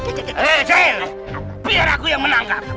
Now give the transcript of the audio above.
hei ceil biar aku yang menangkap